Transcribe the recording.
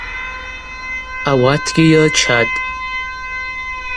Ауатгьи йырчатӏ.